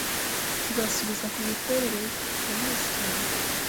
Nzasubiza kumiterere ye. Ndamuzi cyane.